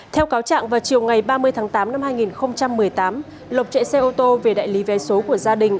theo cáo trạng vào chiều ngày ba mươi tháng tám năm hai nghìn một mươi tám lộc chạy xe ô tô về đại lý vé số của gia đình